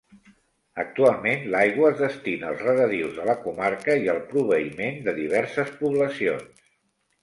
Actualment l'aigua es destina als regadius de la comarca i al proveïment de diverses poblacions.